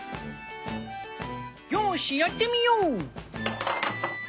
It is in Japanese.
よしやってみよう！